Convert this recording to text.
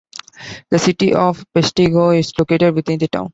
The City of Peshtigo is located within the town.